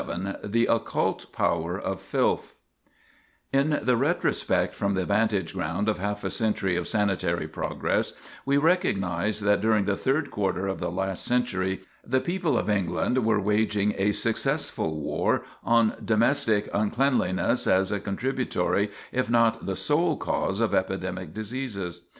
VII THE OCCULT POWER OF FILTH [Sidenote: Filth Diseases] In the retrospect from the vantage ground of half a century of sanitary progress we recognize that during the third quarter of the last century the people of England were waging a successful war on domestic uncleanliness as a contributory, if not the sole cause of epidemic diseases.